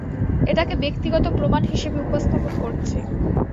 এটাকে ব্যক্তিগত প্রমাণ হিসেবে উপস্থাপন করছি।